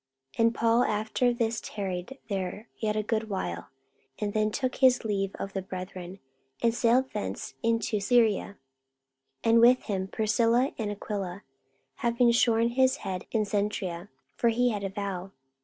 44:018:018 And Paul after this tarried there yet a good while, and then took his leave of the brethren, and sailed thence into Syria, and with him Priscilla and Aquila; having shorn his head in Cenchrea: for he had a vow.